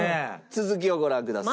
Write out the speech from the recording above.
続きをご覧ください。